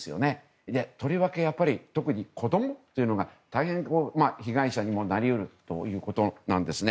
とりわけ特に子供というのが大変、被害者にもなり得るということです。